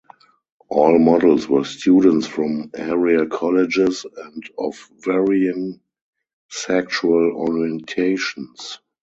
All models were students from area colleges and of varying sexual orientations.